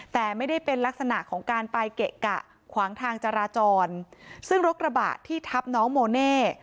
แต่ไม่ได้เป็นลักษณะของการไปเกะกะขวางทางจราจรซึ่งรถกระบะที่ทับน้องโมเน่